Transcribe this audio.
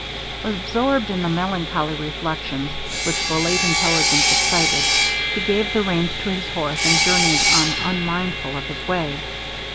Absorbed in the melancholy reflections which the late intelligence excited, he gave the reins to his horse, and journeyed on unmindful of his way.